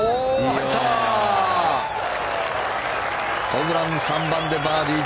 ホブラン、３番でバーディー。